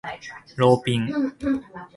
ローピン